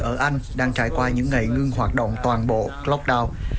ở anh đang trải qua những ngày ngưng hoạt động toàn bộ clouddown